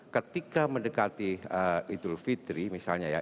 ketika mendekati idul fitri misalnya ya